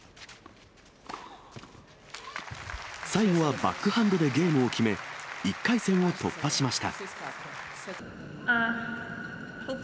最後はバックハンドでゲームを決め、１回戦を突破しました。